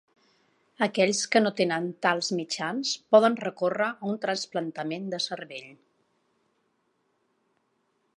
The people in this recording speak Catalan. Aquells que no tenen tals mitjans poden recórrer a un trasplantament de cervell.